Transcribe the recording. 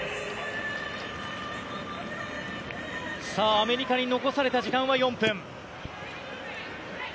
アメリカに残された時間は４分。